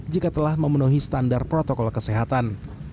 jika telah memenuhi standar protokol kesehatan